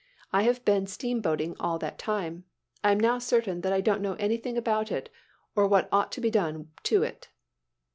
I have been steam boating all that time. I am now certain that I don't know anything about it, or about what ought to be done to it."